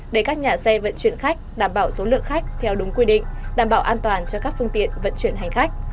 để các nhà xe vận chuyển khách đảm bảo số lượng khách theo đúng quy định đảm bảo an toàn cho các phương tiện vận chuyển hành khách